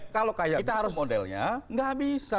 kalau kayak modelnya nggak bisa